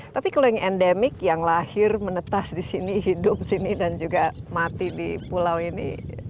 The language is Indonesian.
tapi kalau yang endemik yang lahir menetas di sini hidup sini dan juga mati di pulau ini